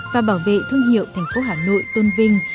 và bảo vệ thương hiệu thành phố hà nội tôn vinh